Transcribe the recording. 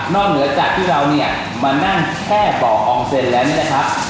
เหนือจากที่เราเนี่ยมานั่งแช่ต่ออองเซ็นแล้วนี่นะครับ